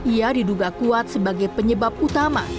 ia diduga kuat sebagai penyebab utama